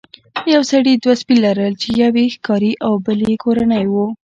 یو سړي دوه سپي لرل چې یو یې ښکاري او بل یې کورنی و.